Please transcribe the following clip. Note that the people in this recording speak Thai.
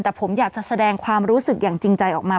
แต่ผมอยากจะแสดงความรู้สึกอย่างจริงใจออกมา